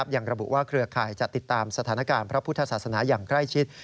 ยังระบุว่าเครือข่ายจะติดตามสถานการณ์พระพุทธศาสนาอย่างใกล้ชิด